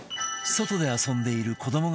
外で遊んでいるまずは。